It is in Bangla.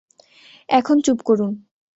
এখন চুপ করুন।